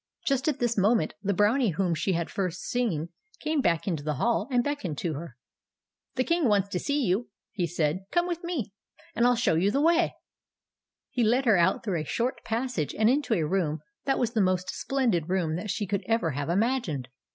Just at this moment, the Brownie whom she had first seen came back into the hall, and beckoned to her. " The King wants to see you," he said. " Come with me, and I '11 show you the way." He led her out through a short passage, and into a room that was the most splendid room that she could ever have imagined.